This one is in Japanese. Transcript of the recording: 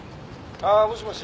あっもしもし？